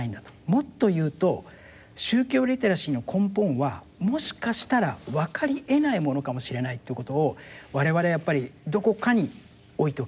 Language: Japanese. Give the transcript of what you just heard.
もっと言うと宗教リテラシーの根本はもしかしたらわかりえないものかもしれないっていうことを我々はやっぱりどこかに置いておきたい。